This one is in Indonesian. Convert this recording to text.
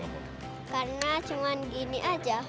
karena cuman gini aja